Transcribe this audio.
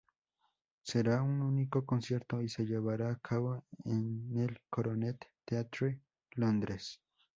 Será un único concierto y se llevará a cabo en el Coronet Theatre, Londres.